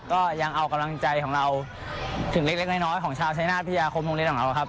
ก็ยังเอากำลังใจของเราถึงเล็กน้อยของชาวชายนาฏพยาคมโรงเรียนของเราครับ